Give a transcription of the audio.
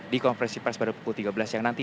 di konferensi pers pada pukul tiga belas yang nanti